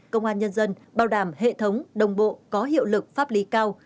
công an nhân dân bảo đảm hệ thống đồng bộ có hiệu lực pháp lý cao